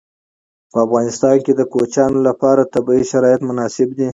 په افغانستان کې د کوچیانو لپاره طبیعي شرایط مناسب دي.